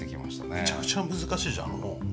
めちゃくちゃ難しいじゃんあの本。